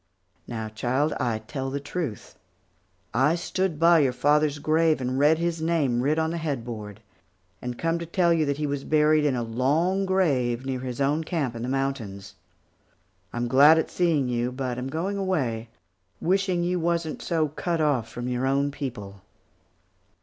Now, child, I tell the truth. I stood by your father's grave and read his name writ on the headboard, and come to tell you that he was buried in a long grave near his own camp in the mountains. I'm glad at seeing you, but am going away, wishing you wasn't so cut off from your own people."